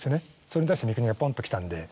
それに対して三國がポンときたんで。